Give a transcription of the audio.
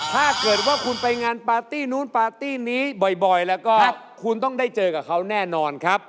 ถ้าเกิดว่าคุณไปงานปาร์ตี้นู้นปาร์ตี้นี้บ่อยแล้วก็คุณต้องได้เจอกับเขาแน่นอนครับ